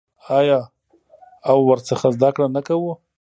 آیا او ورڅخه زده کړه نه کوو؟